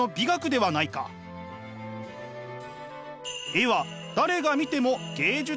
絵は誰が見ても芸術作品。